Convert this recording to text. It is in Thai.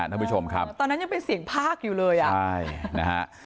ท่านผู้ชมครับตอนนั้นยังเป็นเสียงภาคอยู่เลยอ่ะใช่นะฮะ